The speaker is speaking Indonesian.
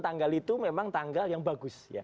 tanggal itu memang tanggal yang bagus